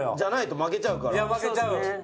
負けちゃう。